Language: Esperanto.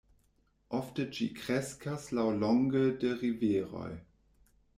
Ofte ĝi kreskas laŭlonge de riveroj.